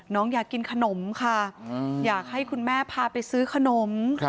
อยากกินขนมค่ะอยากให้คุณแม่พาไปซื้อขนม